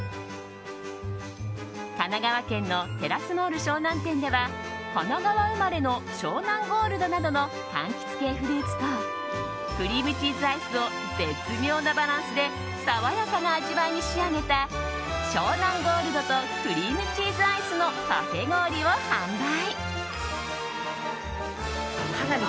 神奈川県のテラスモール湘南店では神奈川生まれの湘南ゴールドなどの柑橘系フルーツとクリームチーズアイスを絶妙なバランスで爽やかな味わいに仕上げた湘南ゴールドとクリームチーズアイスのパフェ氷を販売。